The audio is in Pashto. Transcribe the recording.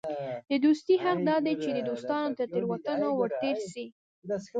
د دوستي حق دا دئ، چي د دوستانو تر تېروتنو ور تېر سې.